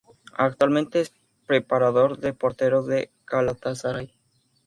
Actualmente es preparador de porteros del Galatasaray.